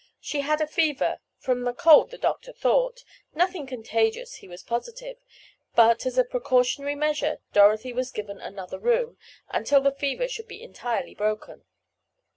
She had a fever—from a cold the doctor thought—nothing contagious he was positive—but, as a precautionary measure Dorothy was given another room, until the fever should be entirely broken.